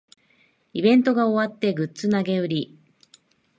イベントが終わってグッズ投げ売り